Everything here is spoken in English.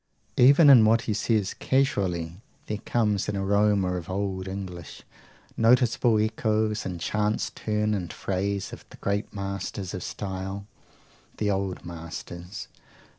Even in what he says casually there comes an aroma of old English; noticeable echoes, in chance turn and phrase, of the great masters of style, the old masters.